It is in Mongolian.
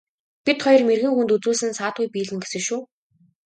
Бид хоёр мэргэн хүнд үзүүлсэн саадгүй биелнэ гэсэн шүү.